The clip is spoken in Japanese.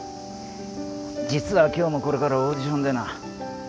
実は今日もこれからオーディションでな。